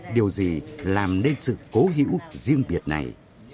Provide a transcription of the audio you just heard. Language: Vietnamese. điều gì làm nên sự cố hữu riêng biệt này